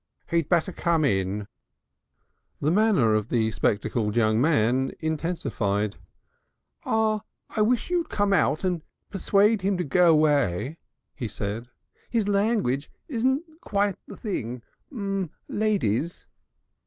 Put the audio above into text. "He'd better come in." The manner of the spectacled young man intensified. "I wish you'd come out and persuade him to go away," he said. "His language isn't quite the thing ladies."